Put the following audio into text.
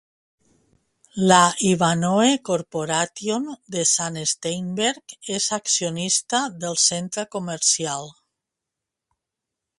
La Ivanhoe Corporation de Sam Steinberg és accionista del centre comercial.